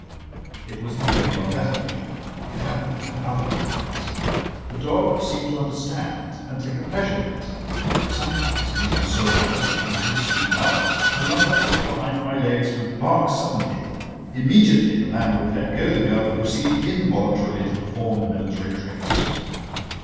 It was not only on that occasion. It happened at other times. The dog seemed to understand and take a pleasure in it. Sometimes meeting a soldier, walking with his sweetheart, Columbus, from behind my legs, would bark suddenly. Immediately the man would let go the girl and proceed, involuntarily, to perform military tricks.